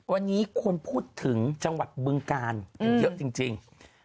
วันนี้คนพูดถึงจังหวัดบึงกาลเยอะจริง